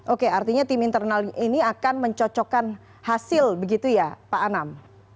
oke artinya tim internal ini akan mencocokkan hasil begitu ya pak anam